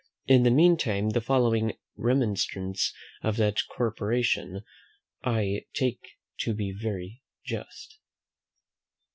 In the meantime the following remonstrance of that corporation I take to be very just.